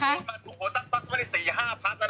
สักพักสักที๔พัก